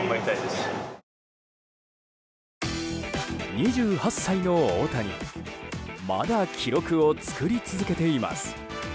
２８歳の大谷まだ記録を作り続けています。